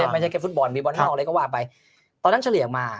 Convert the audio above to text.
ไม่ใช่แค่ฟุตบอลมีบอลนอกอะไรก็ว่าไปตอนนั้นเฉลี่ยมา